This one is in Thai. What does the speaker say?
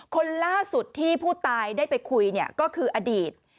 คนล่าสุดที่ผู้ตายได้ไปคุยก็คืออดีต